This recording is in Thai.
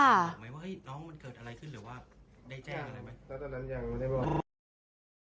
ได้แจ้งอะไรไหม